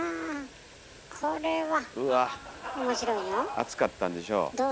暑かったんでしょう。